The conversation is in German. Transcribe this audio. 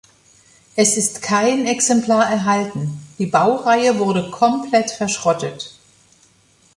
Es ist kein Exemplar erhalten, die Baureihe wurde komplett verschrottet.